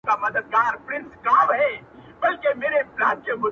چي حساب د نادارۍ ورکړي ظالم ته،